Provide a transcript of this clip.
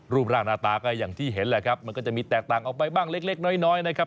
รูปร่างหน้าตาก็อย่างที่เห็นแหละครับมันก็จะมีแตกต่างออกไปบ้างเล็กน้อยนะครับ